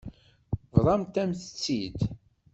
Bḍant-am-tt-id.